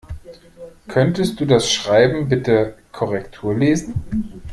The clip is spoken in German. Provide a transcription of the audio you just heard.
Könntest du das Schreiben bitte Korrektur lesen?